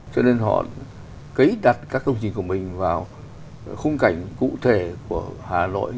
cho nên họ cấy đặt các công trình của mình vào khung cảnh cụ thể của hà nội